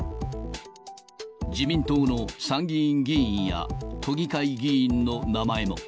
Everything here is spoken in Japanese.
自民党の参議院議員や都議会議員の名前も。